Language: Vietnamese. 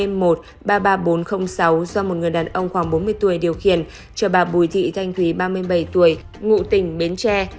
do một người đàn ông khoảng bốn mươi tuổi điều khiển cho bà bùi thị thanh thúy ba mươi bảy tuổi ngụ tỉnh bến tre